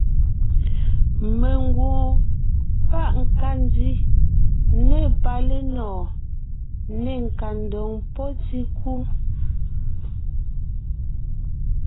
Mengwoon páʼ nkandi ne palénɔɔn, ne nkandoŋ pɔ́ tíkú.